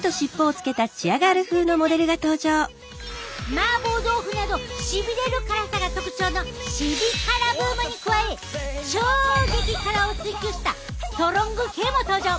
マーボー豆腐などしびれる辛さが特徴のシビ辛ブームに加え超激辛を追求したストロング系も登場！